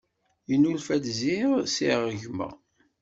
Yennulfa-d ziɣ sεiɣ gma.